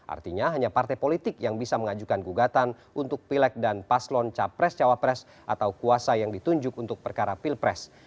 artinya hanya partai politik yang bisa mengajukan gugatan untuk pilek dan paslon capres cawapres atau kuasa yang ditunjuk untuk perkara pilpres